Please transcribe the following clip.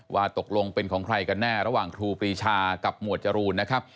ว่าตกลงเป็นของใครกันแน่ระหว่างครูปรีชากับหมวดจรูนนะครับ